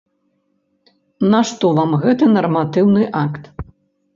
Нашто вам гэты нарматыўны акт?